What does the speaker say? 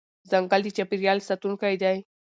ځنګل د چاپېریال ساتونکی دی.